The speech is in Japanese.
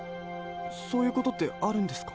そういうことってあるんですか？